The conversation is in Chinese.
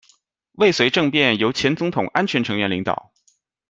未遂政变由前总统安全成员领导。